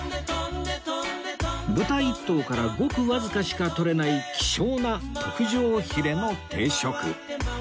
豚一頭からごくわずかしか取れない希少な特上ヒレの定食